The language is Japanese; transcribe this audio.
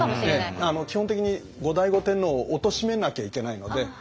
基本的に後醍醐天皇をおとしめなきゃいけないので。